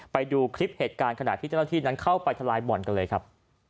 ไปดูคลิปเหตุการณ์ขณะที่เจ้าหน้าที่นั้นเข้าไปทลายบ่อนกันเลยครับ